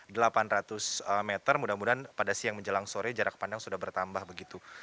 jadi delapan ratus meter mudah mudahan pada siang menjelang sore jarak pandang sudah bertambah begitu